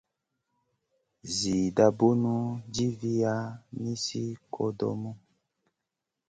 Zida bunu djivia nizi kodomu.